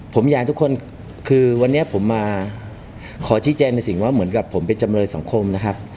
ผมอยากให้ทุกคนคือวันนี้ผมมาขอชี้แจงในสิ่งว่าเหมือนกับผมเป็นจำเลยสังคมนะครับ